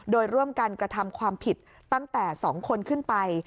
โดยร่วมกันกระทำความผิดตั้งแต่๒คนขึ้นไป